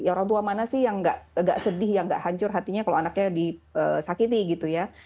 orang tua mana sih yang agak sedih yang gak hancur hatinya kalau anaknya disakiti gitu ya